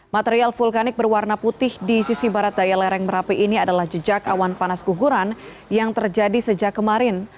material vulkanik berwarna putih di sisi barat daya lereng merapi ini adalah jejak awan panas guguran yang terjadi sejak kemarin